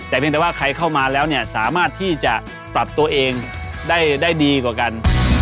แต่เพียงแต่ว่าใครเข้ามาแล้วเนี่ยสามารถที่จะปรับตัวเองได้ดีกว่ากัน